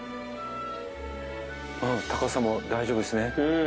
高さも大丈夫ですね。